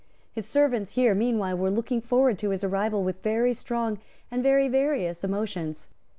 His servants here meanwhile were looking forward to his arrival with very strong and very various emotions.